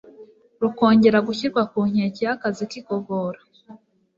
rukongera gushyirwa ku nkeke yakazi kigogora